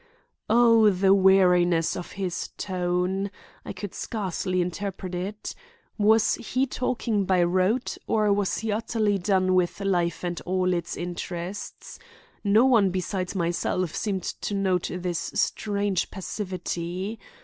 Oh, the weariness in his tone! I could scarcely interpret it. Was he talking by rote, or was he utterly done with life and all its interests? No one besides myself seemed to note this strange passivity.